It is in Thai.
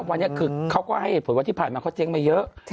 วันนี้เขาก็ให้เหตุผลวัดที่ผ่านมาก็เต็มไปเยอะ